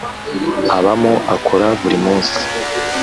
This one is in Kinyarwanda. abamo(akora buri munsi)